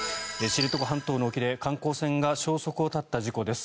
知床半島の沖で観光船が消息を絶った事故です。